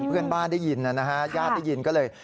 เพื่อนบ้านได้ยินนะฮะญาติได้ยินก็เลย